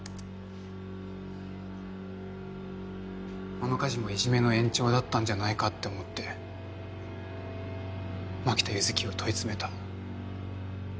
あの火事もいじめの延長だったんじゃないかって思って槙田柚生を問い詰めた。